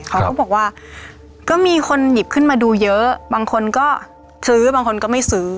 เขาก็บอกว่าก็มีคนหยิบขึ้นมาดูเยอะบางคนก็ซื้อบางคนก็ไม่ซื้อ